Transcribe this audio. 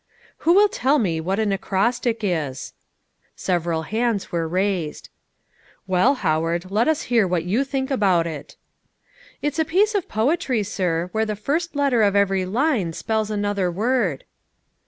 "Who will tell me what an acrostic is?" Several hands were raised. "Well, Howard, let us hear what you think about it." "It's a piece of poetry, sir, where the first letter of every line spells another word."